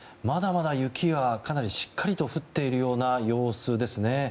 まだまだ雪はかなりしっかりと降っている様子ですね。